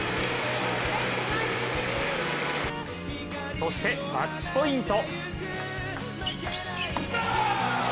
そして、マッチポイント。